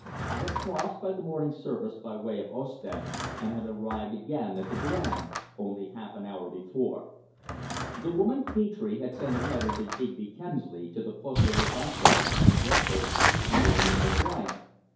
I had crossed by the morning service by way of Ostend, and had arrived again at the Grand only half an hour before. The woman Petre had sent a letter to Digby Kemsley to the Poste Restante in Brussels under the name of Bryant.